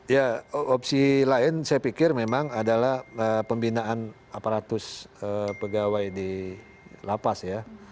ya opsi lain saya pikir memang adalah pembinaan aparatus pegawai di lapas ya